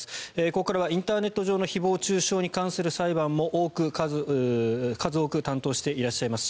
ここからはインターネット上の誹謗・中傷に関する裁判も数多く担当していらっしゃいます